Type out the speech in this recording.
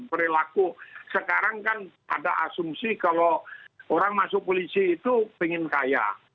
perilaku sekarang kan ada asumsi kalau orang masuk polisi itu pengen kaya